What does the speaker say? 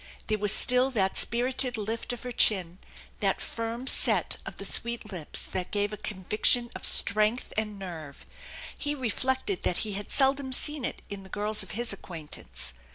There was still that spirited lift of her chin, that firm set of the Bweet lips, that gave a conviction of strength and nerve. He reflected that he had seldom seen it in the girls of his ac quaintance.